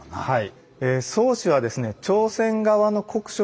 はい。